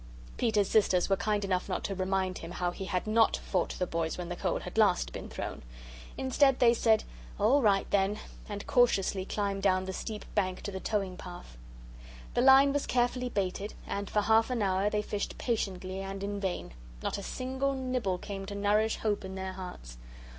Peter's sisters were kind enough not to remind him how he had NOT fought the boys when coal had last been thrown. Instead they said, "All right, then," and cautiously climbed down the steep bank to the towing path. The line was carefully baited, and for half an hour they fished patiently and in vain. Not a single nibble came to nourish hope in their hearts.